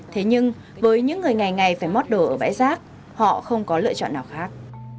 thế nhưng với những người ngày ngày phải mót đổ ở bãi rác họ không có lựa chọn nào khác